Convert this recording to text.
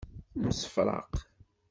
Nemsefraq.